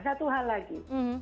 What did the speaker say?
satu hal lagi